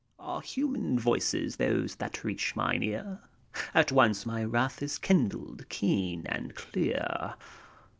KEREUS. Are human voices those that reach mine earf At once my wrath is kindled, keen and clear.